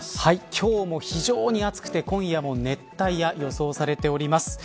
今日も非常に暑くて、今夜も熱帯夜、予想されております。